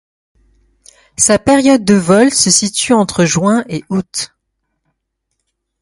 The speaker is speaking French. Sa période de vol se situe entre juin et août.